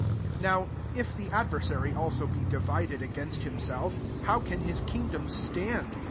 18 New if the adversary also be divided against himself, bow can his kingdom stand?